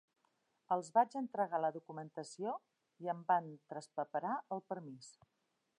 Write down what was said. Els vaig entregar la documentació i em van traspaperar el permís.